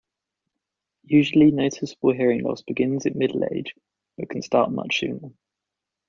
Usually noticeable hearing loss begins at middle-age, but can start much sooner.